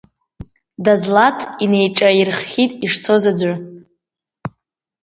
Дадлаҭ инеиҿаирхьит ишцоз аӡәы.